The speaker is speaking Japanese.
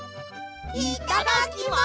いただきます！